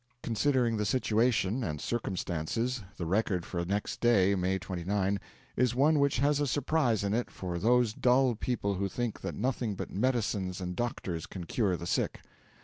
Considering the situation and circumstances, the record for next day, May 29, is one which has a surprise in it for those dull people who think that nothing but medicines and doctors can cure the sick.